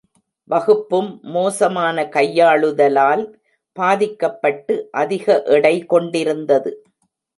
வகுப்பும் மோசமான கையாளுதலால் பாதிக்கப்பட்டு அதிக எடை கொண்டிருந்தது.